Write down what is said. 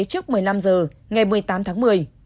trước một mươi năm h ngày một mươi tám tháng một mươi